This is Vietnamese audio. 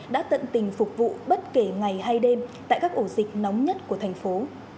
đã tận tình phục vụ bất kể ngày hay đêm tại các ổ dịch nóng nhất của thành phố